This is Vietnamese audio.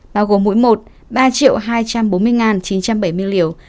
bao gồm mỗi một ba hai trăm bốn mươi chín trăm bảy mươi liều